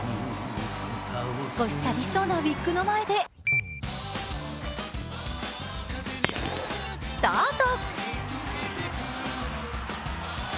少しさみしそうなウイッグの前でスタート。